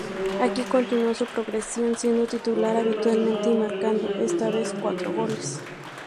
Aquí continuó su progresión, siendo titular habitualmente y marcando esta vez cuatro goles.